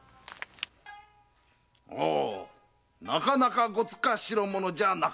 おおなかなかごつか代物じゃなかと。